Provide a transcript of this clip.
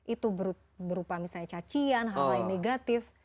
itu berupa cacian hal hal yang negatif